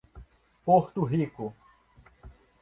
Porto Rico